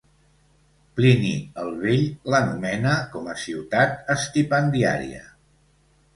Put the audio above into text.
Plini el vell l'anomena com a ciutat estipendiària.